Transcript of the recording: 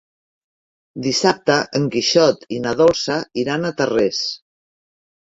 Dissabte en Quixot i na Dolça iran a Tarrés.